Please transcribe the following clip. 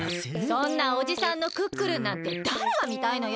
そんなおじさんのクックルンなんてだれがみたいのよ！